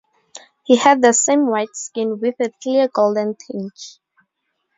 He had the same white skin, with a clear, golden tinge.